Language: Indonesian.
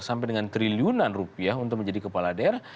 sampai dengan triliunan rupiah untuk menjadi kepala daerah